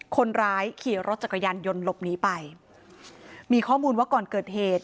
คนร้ายขี่รถจักรยานยนต์หลบหนีไปมีข้อมูลว่าก่อนเกิดเหตุ